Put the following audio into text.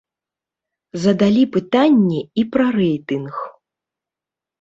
Задалі пытанне і пра рэйтынг.